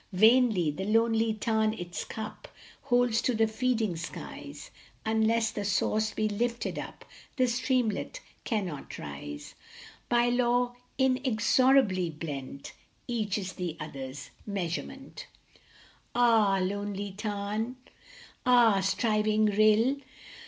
Vainly the lonely tarn its cup Holds to the feeding skies ; Unless the source be lifted up, The streamlet cannot rise : By law inexorably blent, Each is the other s measurement. 42 INFLUENCE. Ah, lonely tarn ! ah, striving rill